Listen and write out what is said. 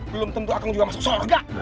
belum tentu akan juga masuk sorga